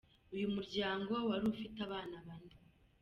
Uyu muryango wari ufite abana bane.